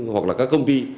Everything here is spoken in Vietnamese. hoặc là các công ty